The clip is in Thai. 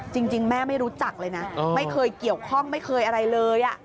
จริงแม่ไม่รู้จักเลยนะไม่เคยเกี่ยวข้องไม่เคยอะไรเลย